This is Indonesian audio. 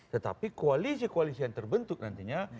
tetapi koalisi koalisi yang terbentuk nantinya